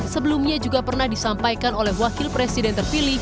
sebelumnya juga pernah disampaikan oleh wakil presiden terpilih